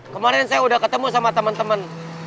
kemarin saya udah ketemu sama temen temen